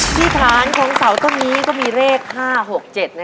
ที่ผ่านของเสาต้มนี้ก็มีเลข๕๖๗นะครับ